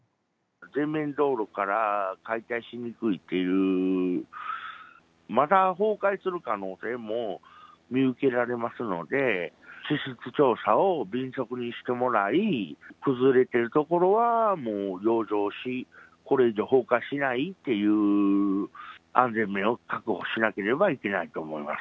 前面道路から解体しにくいという、まだ崩壊する可能性も見受けられますので、地質調査を迅速にしてもらい、崩れている所はもう養生し、これ以上崩壊しないっていう安全面を確保しなければいけないと思います。